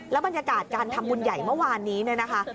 บรรยากาศการทำบุญใหญ่เมื่อวานนี้เนี่ยนะคะ